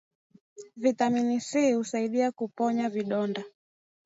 vitamini C husaidia kuponya vidonda